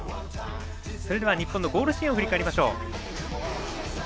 それでは日本のゴールシーンを振り返りましょう。